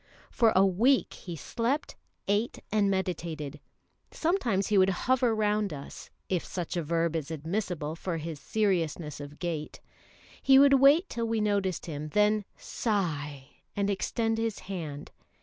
For a week he slept, ate, and meditated. Sometimes he would hover round us, if such a verb is admissible for his seriousness of gait. He would wait till we noticed him, then sigh and extend his hand.